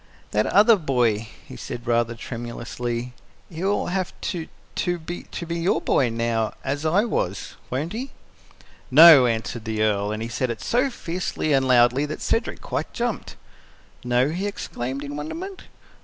"That other boy," he said rather tremulously "he will have to to be your boy now as I was won't he?" "NO!" answered the Earl and he said it so fiercely and loudly that Cedric quite jumped. "No?" he exclaimed, in wonderment.